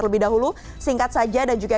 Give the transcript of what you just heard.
memang belum selesai semuanya